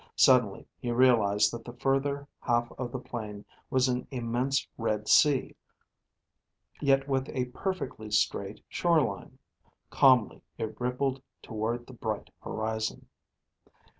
Suddenly he realized that the further half of the plain was an immense red sea, yet with a perfectly straight shore line. Calmly it rippled toward the bright horizon.